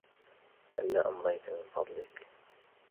هلا أمضيت من فضلك ؟